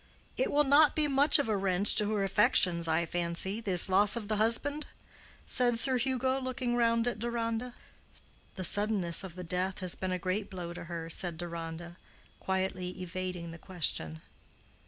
"It will not be much of a wrench to her affections, I fancy, this loss of the husband?" said Sir Hugo, looking round at Deronda. "The suddenness of the death has been a great blow to her," said Deronda, quietly evading the question.